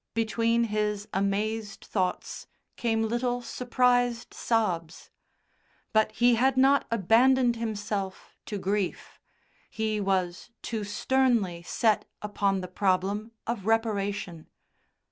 Between his amazed thoughts came little surprised sobs. But he had not abandoned himself to grief he was too sternly set upon the problem of reparation.